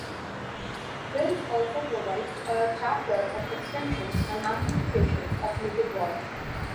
Wells also provides a chapter of "Extensions and Amplifications of Little War".